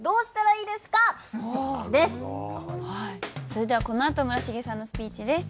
それではこのあと村重さんのスピーチです。